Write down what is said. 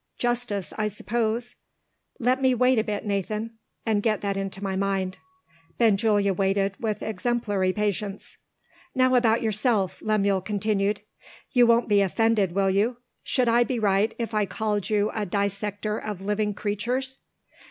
"Justice, I suppose." "Let me wait a bit, Nathan, and get that into my mind." Benjulia waited with exemplary patience. "Now about yourself," Lemuel continued. "You won't be offended will you? Should I be right, if I called you a dissector of living creatures?"